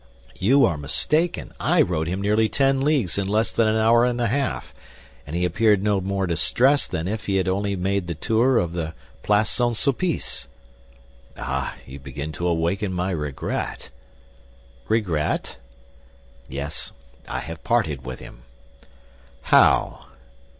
"You are mistaken; I rode him nearly ten leagues in less than an hour and a half, and he appeared no more distressed than if he had only made the tour of the Place St. Sulpice." "Ah, you begin to awaken my regret." "Regret?" "Yes; I have parted with him." "How?"